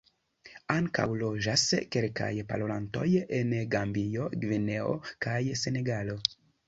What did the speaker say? Ankaŭ loĝas kelkaj parolantoj en Gambio, Gvineo kaj Senegalo.